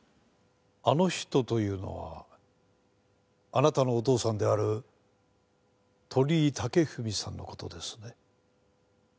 あの人というのはあなたのお父さんである鳥居武文さんの事ですね？